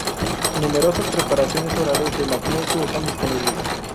Numerosas preparaciones orales de magnesio están disponibles.